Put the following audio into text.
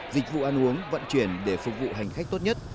dịch vụ ăn uống vận chuyển để phục vụ hành khách tốt nhất